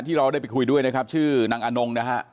ที่ได้ไปคุยด้วยชื่อนางอาหนงนะฮะ